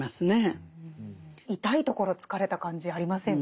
痛いところつかれた感じありませんか？